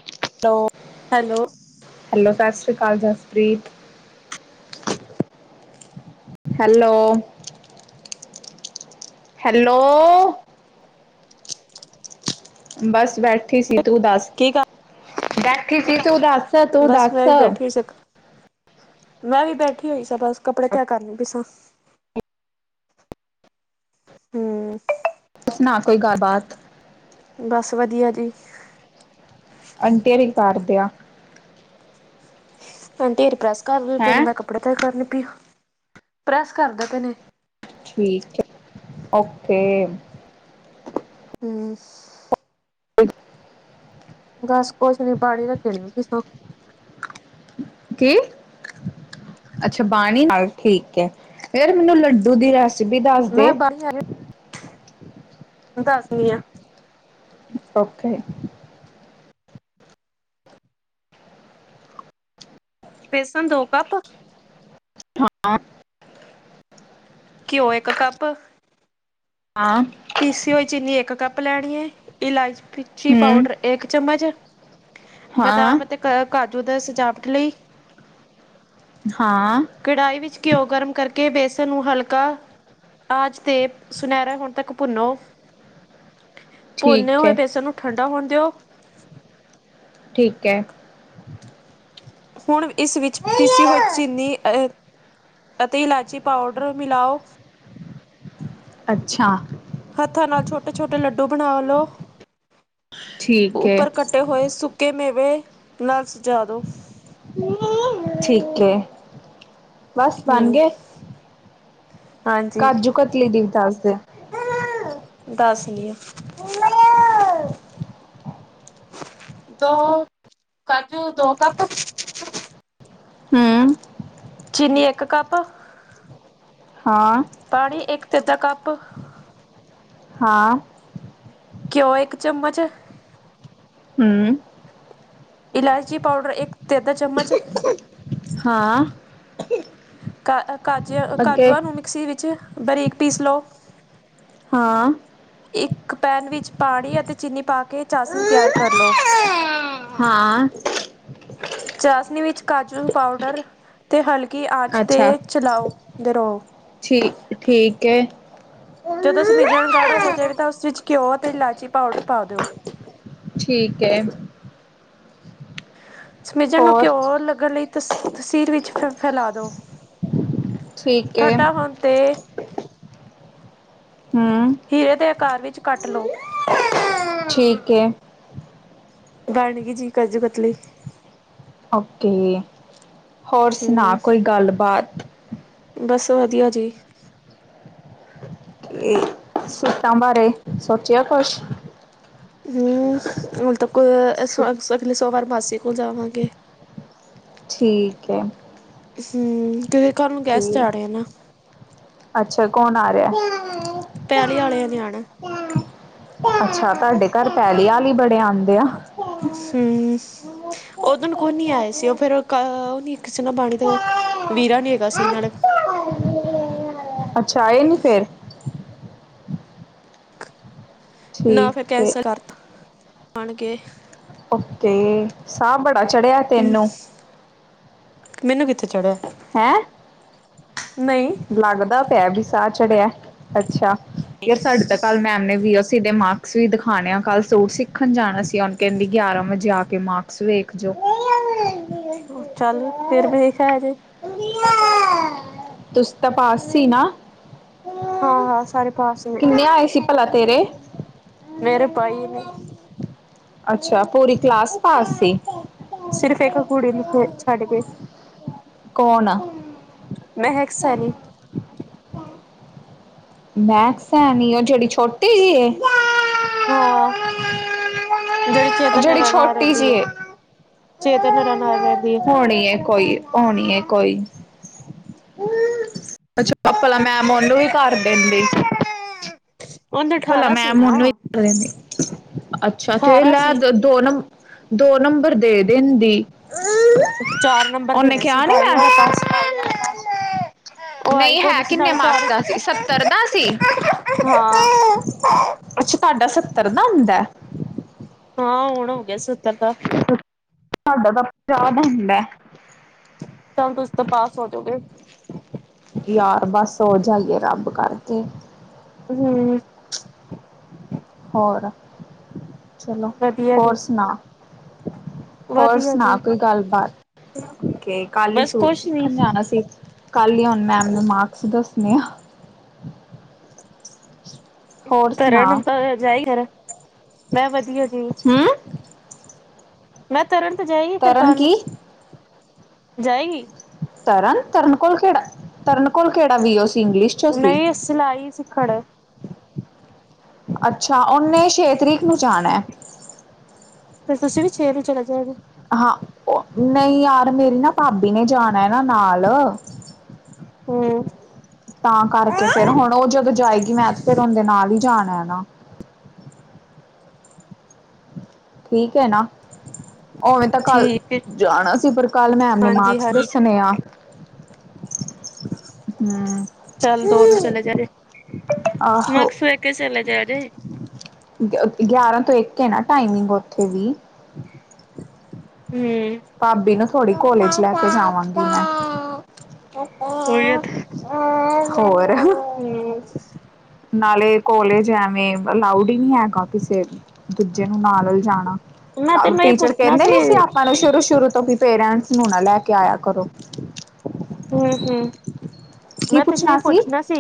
Hello hello hello ਸਤਿ ਸ਼੍ਰੀ ਅਕਾਲ ਜਸਪ੍ਰੀਤ ਹੈਲੋ ਹੈਲੋ ਬਸ ਬੈਠੀ ਸੀ ਤੂੰ ਦੱਸ ਕੀ ਕਰ ਬੈਠੀ ਸੀ ਤੂੰ ਦੱਸ ਤੂੰ ਬਸ ਮੈਂ ਦੱਸ? ਵੀ ਬੈਠੀ ਹੋਈ ਸੀ ਮੈਂ ਵੀ ਬੈਠੀ ਹੋਈ ਸਾ ਬਸ ਕੱਪੜੇ ਤਹਿ ਕਰਨੀ ਪਈ ਸਾ [inaudible] ਹੂੰ ਸਨਾ ਕੋਈ ਗੱਲਬਾਤ ਬਸ ਵਧੀਆ ਜੀ ਆਂਟੀ ਹੋਰੀ ਕਰਦੇ ਆ ਆਂਟੀ ਹੋਰੀ ਪ੍ਰੈਸ ਕਰਦੇ ਪਏ ਨੇ ਹੈਂ ਮੈਂ ਕੱਪੜੇ ਤੇਜ ਕਰਨੀ ਪਈ ਪ੍ਰੈਸ ਕਰਦੇ ਪੈ ਨੇ ਠੀਕ ਹੈ ਓਕੇ ਹਮ [unintelligible] ਬਸ ਕੁਛ ਨੀ ਪਾਣੀ ਰੱਖੇਣੀ ਕਿਸੋ ਕੀ ਅੱਛਾ ਬਾਣੀ ਠੀਕ ਹੈ ਯਾਰ ਮੈਨੂੰ ਲੱਡੂ ਦੀ ਰਸ। ਮੈਂ ਬਰ ਆ ਦੱਸਦੀ ਆ। ਓਕੇ। ਬੇਸਨ ਦੋ ਕੱਪ। ਹਾਂ ਘਿਓ ਇੱਕ ਕੱਪ‌। ਹਾਂ। ਪੀਸੀ ਹੋਈ ਚੀਨੀ ਇੱਕ ਕੱਪ ਲੈਣੀ ਹੈ ਇਲਾਜ ਪ। ਚੀ ਹਮ ਪਾਊਡਰ ਇੱਕ ਚਮਚ ਹਾਂ ਬਦਾਮ ਅਤੇ ਕ ਕਾਜੂ ਦਾ ਸਜਾਵਟ ਲਈ। ਹਾਂ। ਕੜਾਹੀ ਵਿੱਚ ਘਿਓ ਗਰਮ ਕਰਕੇ ਬੇਸਣ ਨੂੰ ਹਲਕਾ ਆਜ ਤੇ ਸੁਨਹਿਰਾ ਹਣ। ਤੱਕ ਭੁੰਨੋ ਭੁੰਨੇ ਠੀਕ ਹੋਏ ਹੈ ਬੇਸਣ ਨੂੰ ਠੰਡਾ ਹੋਣ ਦਿਓ। ਠੀਕ ਹੈ। ਹੁਣ ਇਸ ਵਿੱਚ ਪੀਸੀ ਹੋਈ ਚੀਨੀ ਅਹ। ਅਤੇ ਇਲਾਚੀ ਪਾਊਡਰ ਮਿਲਾਓ। ਅੱਛਾ। ਹੱਥਾਂ ਨਾਲ ਛੋਟੇ- ਛੋਟੇ ਲੱਡੂ ਬਣਾ ਲੋ ਠੀਕ ਹੈ ਉੱਪਰ ਕੱ। ਕਟੇ ਹੋਏ ਸੁੱਕੇ ਮੇਵੇ ਨਾਲ ਸਜਾ ਦੋ। ਠੀਕ ਹੈ ਬਸ ਬਣ ਹਮ ਗਏ। ਹਾਂਜੀ ਕਾਜੂ - ਕਤਲੀ ਦੀ ਵੀ ਦੱਸਦੇ। ਦੱਸ ਦੀ‌। ਦੋ ਕਾਜੂ ਦੋ ਕੱਪ। ਹੂੰ ਚੀਨੀ ਇੱਕ ਕੱਪ। ਹਾਂ। ਪਾਣੀ ਇੱਕ ਅੱਧਾ ਕੱਪ। ਹਾਂ। ਘਿਓ ਇੱਕ ਚਮਚ। ਹਮ। ਇਲਾਇਚੀ ਪਾਊਡਰ ਇੱਕ ਤੇ ਅੱਧਾ ਚਮਚ। ਹਾਂ। ਕਾ ਕਾਜੂ ਅੱਗੇ ਕਾਜੂਆਂ ਨੂੰ ਮਿਕਸੀ ਵਿੱਚ ਬਰੀਕ ਪੀਸ ਲਓ। ਹਾਂ। ਇੱਕ ਪੈਨ ਵਿੱਚ ਪਾਣੀ ਅਤੇ ਚੀਨੀ ਪਾ ਕੇ ਚਾਸੀਣੀ ਤਿਆਰ ਕਰ ਲਉ। ਹਾਂ। ਚਾਸਨੀ ਵਿੱਚ ਕਾਜੂ ਪਾਊਡਰ ਅਤੇ ਹਲਕੀ ਆਂਚ ਅੱਛਾ 'ਤੇ ਚਲਾਓ ਦ ਰਹੋ। ਠੀ ਠੀਕ ਹੈ। ਜਦੋਂ ਮਿਜਣ ਗਾੜਾ ਹੋ ਜਾਵੇ ਤਾਂ ਉਸ ਵਿੱਚ ਘਿਓ ਅਤੇ ਇਲਾਇਚੀ ਪਾਊਡਰ ਪਾ ਦਿਓ। ਠੀਕ ਹੈ। ਸਮਿਜਰ ਨੂੰ ਹੋਰ ਘਿਉ ਲੱਗਣ ਲਈ ਤਸ ਤਸੀਰ ਵਿੱਚ ਫ ਫੈਲਾ ਦੋ। ਠੀਕ ਏ ਠੰਡਾ ਹੋਣ ਤੇ। ਹਮ। ਹੀਰੇ ਦੇ ਆਕਾਰ ਵਿੱਚ ਕੱਟ ਲਓ। ਠੀਕ ਏ। ਬਣ ਗ ਜੀ ਕਾਜੂ ਕਤ ਲਈ। ਓਕੇ ਹੋਰ ਸੁਣਾ ਹੂੰ, ਕੋਈ ਗੱਲਬਾਤ। ਬਸ ਵਧੀਆ ਜੀ। ਇਹ। ਸੂਟਾਂ ਬਾਰੇ ਸੋਚਿਆ ਕੁਛ। ਹਮ ਮਤਲਬ ਕੋ ਅਗਲੇ ਸੋਮਵਾਰ ਮਾਸੀ ਕੋਲ ਜਾਵਾਂਗੇ। ਠੀਕ ਹੈ। ਹਮ ਕਿਉਂਕਿ ਘਰ ਨੂੰ ਗੈਸਟ ਕਿ ਆਨੇ ਆ ਨਾ। ਅੱਛਾ, ਕੌਣ ਆ ਰਿਹਾ? ਪੈਲੀ ਵਾਲਿਆ ਨੇ ਆਣਾ। ਅੱਛਾ, ਤੁਹਾਡੇ ਘਰ ਪੈਲੀ ਵਾਲੇ ਹੀ ਬੜੇ ਆਂਦੇ ਆ। ਹੂੰ, ਓਦਨ ਕੋਈ ਨੀ ਆਏ ਸੀ, ਉਹ ਫੇਰ, ਉਹ ਨੀ ਕਿਸ ਸੀ ਨਾ ਪਾਣੀ ਤੇ ਵੀਰਾ ਨੀ ਹੈਗਾ ਸੀ, ਨਾਲੇ ਅੱਛਾ, ਆਏ ਨੀ ਫੇਰ? ਨਾ, ਫਿਰ ਠੀਕ ਏ ਕੈਂਸਲ ਕਰਤਾ, ਆਣਗੇ। ਓਕੇ! ਸਾਹ ਬੜਾ ਚੜ੍ਹਿਆ? ਉਂ, ਮੈਨੂੰ ਕਿੱਥੇ ਚੜ੍ਹਿਆ। ਹੈਂ? ਨਹੀਂ। ਲੱਗਦਾ ਪਿਆ ਬੀ ਸਾਹ ਚੜਿਆ, ਅੱਛਾ, ਯਾਰ ਸਾਡੇ ਤੱਕ ਕੱਲ੍ਹ ਮੈਮ ਨੇ ਵੀ, ਅਸੀ ਦੇ ਮਾਰਕਸ ਵੀ ਦਿਖਾਣੇ ਆ। ਕੱਲ ਸੂਟ ਸਿੱਖਣ ਜਾਣਾ ਸੀ, ਹੁਨ ਕਹਿੰਦੀ ਗਿਆਰਾਂ ਵਜੇ ਆਕੇ ਮਾਰ ਸ ਵੇਖਜੋ ਹੋਰ ਚੱਲ, ਫੇਰ ਵੇਖ ਆਯਜੇ। ਤੁਸੀ ਤਾ ਪਾਸ ਸੀ ਨਾ? ਹਾਂ-ਹਾਂ, ਸਾਰੇ ਪਾਸ ਨੇ ਕਿੰਨੇ ਆਏ ਸੀ, ਭਲਾ ਤੇਰੇ? ਮੇਰੇ ਪਾਈ ਨੇ। ਅੱਛਾ, ਪੂਰੀ ਕਲਾਸ ਪਾਸ ਸੀ? ਸਿਰਫ ਇੱਕ ਕੁੂੜੀ ਨੂੰ ਛੱਡਕੇ। ਕੌਣ ਆ? ਮਹਿਕ ਸਾਨੀ। ਮੈਕਸ ਸੈਨੀ, ਉਹ ਜਿਹੜੀ ਛੋਟੀ ਜੀ ਏ। ਹਾਂ। ਜਿਹੜੀ, ਚੇਤਨ ਹੁਰਾ ਨਾਲ ਰਹਿੰਦੀ ਏ। ਚੇਤਨ ਹੁਰਾ ਨਾਲ ਰਹਿੰਦੀ ਏ। ਹੋਣੀ ਏ ਕੋਈ, ਹੋਣੀ ਏ ਕੋਈ। ਅੱਛਾ, ਪਭਲਾ ਮੈਮ ਉਹਨੂੰ ਵੀ ਕਰ ਦਿੰਦੀ। ਉਹਨੇ ਭਲਾ ਅਠਾਰਾਂ ਸੀ ਮੈਮ, ਨਾ ਓਹਨੁੰ ਵੀ ਕਰ ਦਿੰਦੀ, ਅੱਛਾ, ਤੇ ਅਠਾਰਾਂ ਸੀ ਲੈ ਦੋ ਨੰ, ਦੋ ਨੰਬਰ ਦੇ ਦਿੰਦੀ। ਚਾਰ ਨੰਬਰ ਉਹਨੇ ਦੇਣੇ ਸੀ, ਕਿਹਾ ਨੀ ਬਾਈ ਮੈਂ ਆਲਾ ਪਾਸ ਉਹ ਆਈ ਨਹੀਂ, ਹੈ ਕੋਨੀ ਸੀ ਕਿੰਨੇ ਨਾਲੇ ਚਾਰ ਮਾਰਕਸ ਦਾ ਸੀ, ਸੱਤਰ ਦਾ ਸੀ? ਹਾਂ ਅੱਛਾ, ਤੁਹਾਡਾ ਸੱਤਰ ਦਾ ਹੁੰਦਾ? ਹਾਂ, ਹੁਣ ਹੋਗਿਆ ਸੱਤਰ ਦਾ। ਸ੍ਹਾਡਾ ਤਾਂ ਪੰਜਾਹ ਦਾ ਹੁੰਦੈ। ਚਲ, ਤੁਸੀ ਤਾ ਪਾਸ ਹੋਜੋਗੇ। ਯਾਰ, ਬਸ ਹੋ ਜਾਈਏ ਰੱਬ ਕਰਕੇ। ਹੂੰ ਹੋਰ, ਚਲੋ ਵਧੀਆ ਜੀ ਹੋਰ ਸੁਣਾ? ਹੋਰ ਵਧੀਆ ਸੁਣਾ ਜੀ ਕੋਈ ਗੱਲਬਾਤ? ਕੇ, ਕੱਲ ਈ ਬਸ ਸੂਟ ਕੁਛ ਨੀ ਸਿੱਖਣ ਜਾਣਾ ਸੀ ਕੱਲ ਹੀ ਹੁਣ ਮੈਮ ਨੇ, ਮਾਰਕਸ ਦੱਸਣੇ ਆ। ਹੋਰ ਕਰਨ ਸੁਣਾ ਹੁਨ ਤਾਂ ਜਾ ਹੀ ਫਿਰ, ਮੈਂ ਵਧੀਆ ਜੀ। ਹੂੰ ''ਮੈਂ ਤਰਨ ਤ ਜਾਏਗੀ ਫਿਰ ਤਰਨ ਕੱਲ? ਕੀ ਜਾਏਗੀ? ਤਰਨ! ਤਰਨ ਕੋਲ ਕਿਹੜਾ, ਤਰਨ ਕੋਲ ਕਿਹੜਾ ਵੀਓ ਸੀ ਇੰਗਲਿਸ਼'ਚ ਸੀ। ਨਹੀਂ ਸਿਲਾਈ ਸਿੱਖਣ? ਅੱਛਾ, ਔਨੇ ਛੇ ਤਰੀਕ ਨੂੰ ਜਾਣੈ। ਫਿਰ, ਤੁਸੀ ਵੀ ਛੇ ਨੂੰ ਚਲੇ ਜਾਏਗੋ? ਹਾਂ, ਉਹ ਨਹੀਂ ਯਾਰ ਮੇਰੀ ਨਾ ਭਾਬੀ ਨੇ ਜਾਣਾ ਏ ਨਾ, ਨਾਲ। ਹਮ। ਤਾਂ ਕਰਕੇ ਫਿਰ ਹੁਣ ਉਹ ਜਦੋਂ ਜਾਏਗੀ ਮੈਂ ਤੇ ਫਿਰ ਔਹੰਦੇ ਨਾਲ ਹੀ ਜਾਣਾ ਈ ਨਾ। ਠੀਕ ਹੈ ਨਾ। ਔਵੇਂ ਤਾਂ ਕਲ ਠੀਕ ਹੈ ਜਾਣਾ ਸੀ ਪਰ ਕਲ ਮੈਮ ਨੇ ਹਾਂਜੀ ਮਾਰਕਸ ਹਾਂਜੀ ਦੱਸਣੇ ਆ। ਹਮ। ਮਾਰਕਸ ਵੇਖ ਕੇ ਚਲਾ ਜਯਾ ਜੇ। ਗਿਆਰਾਂ ਤੋਂ ਇੱਕ ਏ ਨਾ ਟਾਈਮਿੰਗ ਉੱਥੇ ਵੀ। ਹਮ। ਭਾਬੀ ਨੂੰ ਥੋੜੀ ਕੋਲੇਜ ਲੈ ਕੇ ਜਾਵਾਂਗੀ ਮੈਂ। ਉਹੀ ਹਾਂ ਹੋਰ। ਹਮ ਨਾਲੇ ਕੋਲੇਜ ਐਵੇਂ ਅਲਾਊਡ ਈ ਨੀ ਹੈ ਕਾਫੀ ਸੇ ਦੂਜੇ ਨੂੰ ਨਾਲ ਲਿਜਾ ਮੈਂ ਤੈਨੂੰ ਨਾਲੇ ਇਹ ਪੁੱਛਣਾ ਸੀ ਸ਼ੁਰੂ-ਸ਼ੁਰੂ ਤੋਂ ਵੀ ਪੇਰੈਂਟਸ ਨੂੰ ਨਾ ਲੈ ਕੇ ਆਇਆ ਕਰੋ। ਹੂੰ-ਹੂੰ ਮੈਂ ਤੈਨੂੰ ਏ ਪੁੱਛਣਾ ਸੀ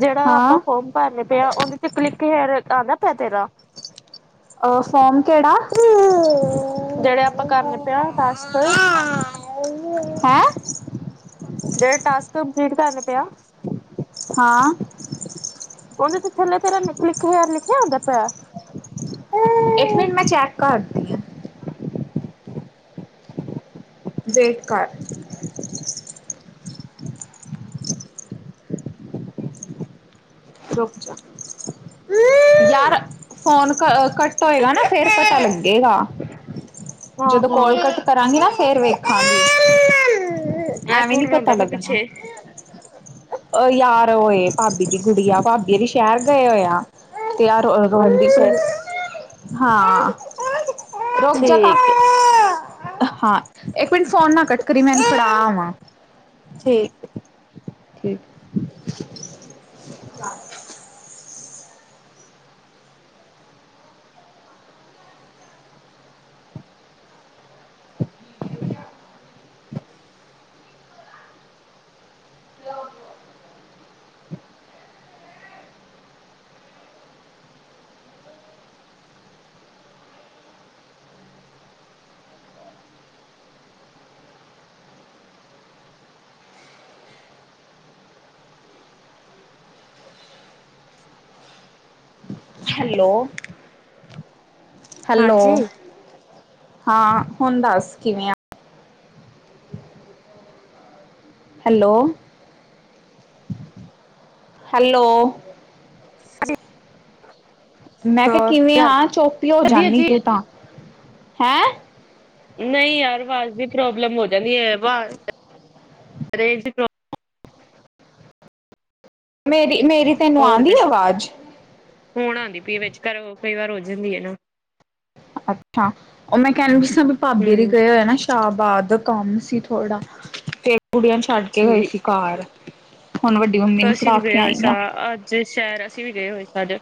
ਜੇੜਾ ਆਪਾਂ ਹਾਂ ਫੋਮ ਭਰਨੇ ਪਿਆ ਓਂਦੇ ਤੇ ਕਲਿੱਕ ਹੇਅਰ ਆਂਦਾ ਪਿਆ ਤੇਰਾ। ਅ ਫੋਮ ਕੇੜਾ? ਜੇੜ੍ਹੇ ਆਪਾਂ ਕਰਨੇ ਪਿਆ ਟਾਸਕ। ਹੈਂ! ਜੇਹੜੇ ਟਾਸਕ ਕੰਪਲੀਟ ਕਰਨੇ ਪੀਓ। ਹਾਂ। ਓਹਨੇ ਦੇ ਥਲੇ ਤੇਰਾ ਨਿਕ ਲਿਖਿਆ ਲਿਖਿਆ ਆਂਦਾ ਪਯਾਂ। ਇੱਕ ਮਿੰਟ ਮੈਂ ਚੈੱਕ ਕਾਰਦੀ ਆ। ਵੇਟ ਕਰ। ਰੁਕ ਜਾ। ਯਾਰ ਫੋਨ ਕੱਟ ਹੋਏਗਾ ਨਾ ਫੇਰ ਪਤਾ ਲੱਗੇਗਾ। ਜਦੋਂ ਕੋਲ ਹਾਂ-ਹਾਂ ਕਟ ਕਰਾਂਗੀ ਨਾ ਫੇਰ ਵੇਖਾਂਗੀ। ਇਹ ਐਵੇ ਨੀ ਕੋਡ ਪਤਾ ਆਂਦਾ ਪਿਆ ਲਗਣਾ। ਪਿੱਛੇ ਔ ਯਾਰ ਔਏ ਭਾਬੀ ਦੀ ਗੁੜੀਆ ਭਾਬੀ ਹੋਰੀ ਸ਼ਹਿਰ ਗਏ ਹੋਏ ਆ। ਤਿਆਰ ਅ ਰੋਣਦੀ ਪਈ ਅੱਛਾ ਏ ਹਾਂ। ਰੁਕ ਜਾ ਠੀਕ ਹੈ ਹਾਂ ਇੱਕ ਮਿੰਟ ਫੋਨ ਨਾ ਕੱਟ ਕਰੀ ਮੈ ਏਹਨੂੰ ਫੜਾਵਾਂ। ਠੀਕ [unintelligible] [inaudible] ਹੈਲ- ਹੈਲੋ। ਹਾਂਜੀ ਹਾਂ, ਹੁਣ ਦੱਸ ਕਿਵੇਂ ਆ? ਹੈਲੋ-ਹੈਲੋ। ਮੈਂ ਕਿਆ ਹੋਰ ਕਿਵੇਂ ਘਰ ਹਾਂ ਚੋਪੀ ਹੋ ਵਧੀਆ ਜਾਂਨੀ ਤੂੰ ਜੀ ਤਾਂ ਹੈਂ? ਨਈ ਯਾਰ ਵਾਜ਼ ਦੀ ਪ੍ਰੋਬਲਮ ਹੋ ਜਾਂਦੀ ਰੇਂਜ ਪ੍ਰੋਬਲਾਮ ਮੇਰੀ ਮੇ ਹੋਰ [unintelligible] ਹੁਣ ਆਂਦੀ ਪਈ ਵਿੱਚ ਕਰੋ ਕਈ ਵਾਰ ਹੋ ਜਾਂਦੀ ਐ ਨਾ। ਅੱਛਾ ਓ ਮੈਂ ਕੈਂਦੀ ਸਾਂ ਵੀ ਭਾਬੀ ਦੀ ਹੂੰ ਗਏ ਹੋਏ ਆ ਨਾ। ਸ਼ਾਹਬਾਦ ਕੰਮ ਸੀ ਥੋੜਾ ਫੇ ਗੁੜੀਆਂ ਨੂੰ ਛੱਡ ਕੇ ਗਏ ਸੀ ਠੀਕ ਘਰ। ਹੁਣ ਵੱਡੀ ਮੰਮੀ ਨੂੰ ਅਸੀਂ ਫੜਾ ਵੀ ਕੇ ਗਏ ਹੋਏ ਆਈ ਸਾਂ ਆ ਅੱਜ ਸ਼ੈਰ ਅਸੀਂ ਵੀ ਗਏ ਹੋਏ ਸਾਂ ਅੱਜ।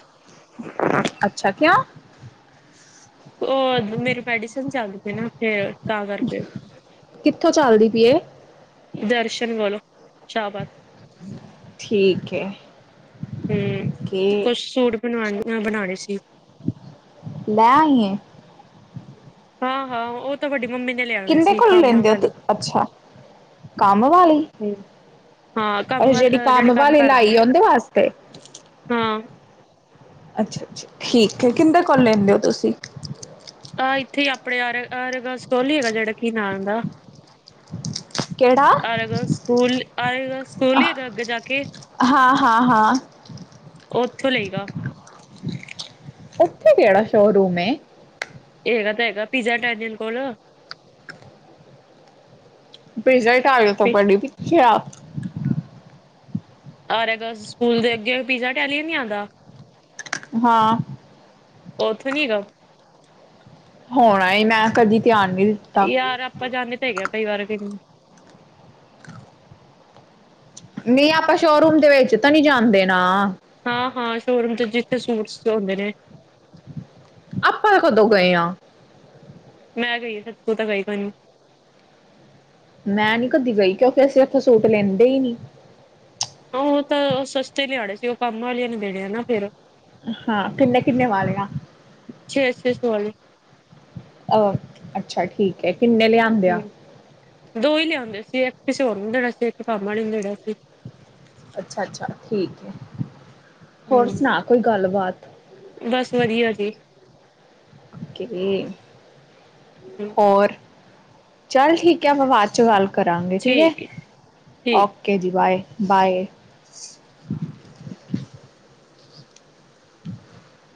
ਅੱਛਾ ਕਿਉ? ਓ ਮੇਰੀ ਮੈਡੀਸਨ ਚੱਲਦੀ ਪਈ ਨਾ। ਫੇਰ ਤਾਂ ਕਰ ਕਿੱਥੋਂ ਚੱਲਦੀ ਪਈ ਏ? ਦਰਸ਼ਨ ਵੋਲੋ ਸ਼ਾਹਬਾਦ। ਠੀਕ ਐ। ਹੂੰ, ਕੁੱਛ ਸੂਟ ਬਨਵਾ ਅ ਬਣਾਣੇ ਸੀ। ਲੈ ਆਈ ਏ। ਹਾਂ-ਹਾਂ ਓ ਤਾਂ ਵਡੀ ਮੰਮੀ ਨੇ ਲਿਆਣੇ ਕਿੰਦੇ ਸੀ ਕੋਲ ਕੰਮ ਲੈਂਦੇ ਹੋ ਤੂੰ ਵਾਲੀ ਅੱਛਾ ਕੰਮ ਵਾਲੀ! ਹੂੰ ਹਾਂ ਕੰਮ ਅਰੇ! ਵਾ ਜੇੜੀ ਜਿਹੜੀ ਕੰਮ ਵਾਲੀ ਕਰਦੀ ਲਾਈ ਏ ਓਦੇ ਵਾਸਤੇ? ਹਾਂ। ਅੱਛਾ-ਅੱਛਾ, ਠੀਕ ਐ ਕਿੰਦੇ ਕੋਲ ਲੈਂਦੇ ਓ ਤੁਸੀਂ? ਆ ਇੱਥੇ ਈ ਆਪਣੇ ਆਰ ਆਰਯਾ ਗਲਸ ਸਟੋਲ ਨੀ ਹੈਗਾ ਜੇੜਾ ਕੀ ਨਾਮ ਓਂਦਾ। ਕਿਹੜਾ ਆਏਗਾ ਸਕੁਲ, ਆਏਗਾ ਸਕੂਲ ਨੀ ਹੈਗਾ ਅੱਗੇ ਜਾ ਕੇ। ਹਾਂ, ਹਾਂ, ਹਾਂ। ਓਥੋਂ ਲੇਗਾ। ਓਥੇ ਕੇੜਾ ਸ਼ੋਰੂਮ ਏ? ਐਗਾ ਤਾਂ ਹੈਗਾ ਪੀਜ਼ਾ ਇਟੈਲੀਅਨ ਕੋਲ। ਪੀਜ਼ਾ ਇਟੈਲੀਅਨ ਤੋਂ ਬੜੀ ਪਿੱਛੇ ਆ। ਆਰਯਾ ਗਲਸ ਸਕੂਲ ਦੇ ਅੱਗੇ ਪੀਜ਼ਾ ਇਟੈਲੀਅਨ ਨੀ ਆਂਦਾ। ਹਾਂ। ਓ ਉੱਥੇ ਨੀ ਐਗਾ। ਹੋਣਾਈ ਮੈਂ ਕਦੀ ਧਿਆਨ ਨੀ ਦਿ ਯਾਰ ਆਪਾਂ ਜਾਂਦੇ ਤਾਂ ਐਗੇ ਆ ਕਈ ਵਾਰੇ ਦਿਨ। ਨੀ ਆਪਾਂ ਸ਼ੋਰੂਮ ਦੇ ਵਿੱਚ ਤਾਂ ਨੀ ਜਾਂਦੇ ਨਾ। ਹਾਂ-ਹਾਂ ਸ਼ੋਰੂਮ ਚ ਜਿੱਥੇ ਸੂਟਸ ਹੁੰਦੇ ਨੇ। ਆਪਾਂ ਕਦੋਂ ਗਏ ਆ? ਮੈਂ ਗਈ ਆ ਸੱਚ ਤੂੰ ਤਾਂ ਗਈ ਕੋਈ ਨੀ। ਮੈਂ ਨੀ ਕਦੀ ਗਈ ਕਿਉਂਕਿ ਅਸੀਂ ਓਥੋਂ ਸੂਟ ਲੈਂਦੇ ਈ ਨੀ। ਹਾਂ ਓ ਤਾਂ ਸਸਤੇ ਲਿਆਨੇ ਸੀ ਓ ਕੰਮ ਆਲੀਆਂ ਨੂੰ ਦੇਨੇ ਨਾ ਫੇਰ। ਹਾਂ ਕਿੰਨੇ-ਕਿੰਨੇ ਵਾਲੇ ਆ। ਛੇ-ਛੇ ਸੋ ਆਲੇ। ਅ ਅੱਛਾ ਠੀਕ ਐ ਕਿੰਨੇ ਲਿਆ ਹੂੰ ਦੋ ਈ ਲਿਆਂਦੇ ਸੀ ਇੱਕ ਕਿਸੇ ਹੋਰ ਨੂੰ ਦੇਣਾ ਸੀ ਇੱਕ ਕੰਮ ਆਲੀ ਨੂੰ ਦੇਣਾ ਸੀ। ਅੱਛਾ-ਅੱਛਾ ਠੀਕ ਏ ਹੋਰ ਹੂੰ ਸੁਣਾ ਕੋਈ ਗੱਲ ਬਾਤ? ਬਸ ਵਦੀਆ ਜੀ। ਕਿਵੇ [unintelligible] ਹੋਰ ਚੱਲ ਠੀਕ ਐ ਆਪਾਂ ਬਾਦ ਚ ਗੱਲ ਕਰਾਂਗੇ ਠੀਕ ਐ ਠੀਕ ਓ ਕੇ ਜੀ ਬਾਏ ਬਾਏ। [inaudible] [inaudible]